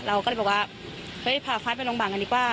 เราก็เลยบอกว่าเฮ้ยพาฟ้าไปโรงพยาบาลกันดีกว่า